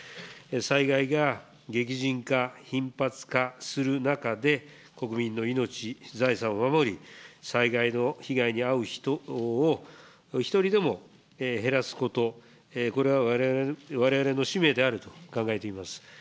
災害が激甚化、頻発化する中で、国民の命、財産を守り、災害の被害に遭う人を１人でも減らすこと、これはわれわれの使命であると考えています。